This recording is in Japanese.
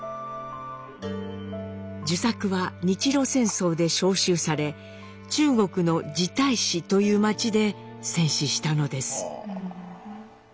壽作は日露戦争で召集され中国の二台子という町で戦死したのです。